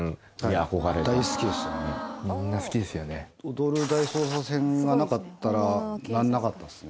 「踊る大捜査線」がなかったらならなかったっすね